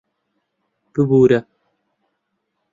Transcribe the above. ببوورە...